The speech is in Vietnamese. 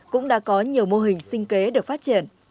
cũng đã có nhiều mô hình sinh kế được phát triển